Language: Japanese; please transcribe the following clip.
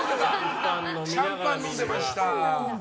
シャンパン飲んでました！